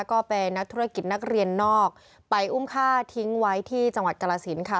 ก็เป็นนักธุรกิจนักเรียนนอกไปอุ้มฆ่าทิ้งไว้ที่จังหวัดกรสินค่ะ